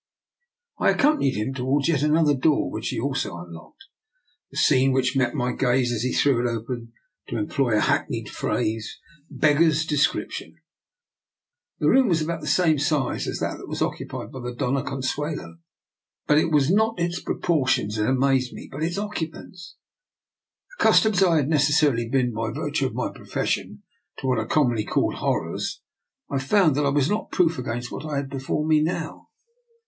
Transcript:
I accompanied him towards yet another door, which he also unlocked. The scene which met my gaze when he threw it open, to employ a hackneyed phrase, beggars de scription. The room was about the same size as that occupied by the Dona Consuelo, but it was not its proportions that amazed me, but its occupants. Accustomed as I had necessarily been, by virtue of my profession, to what are commonly called horrors, I found that I was not proof against what I had be fore me now.